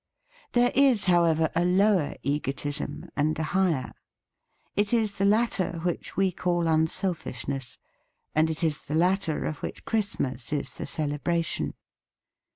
There is, however, a lower egotism and a higher. It is the latter which we call unselfishness. And it is the latter of which Christmas is the celebration.